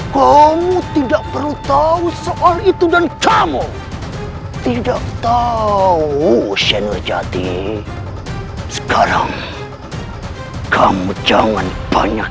kamu tidak perlu tahu soal itu dan kamu tidak tahu senior jati sekarang kamu jangan banyak